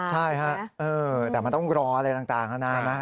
ใช่ฮะแต่มันต้องรออะไรต่างนานานะ